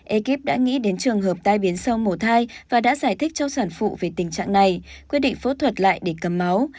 ekip đã nghĩ đến trường hợp tai biến sau mổ thai và đã giải thích cho sản phụ về tình trạng này quyết định phẫu thuật lại để cầm máu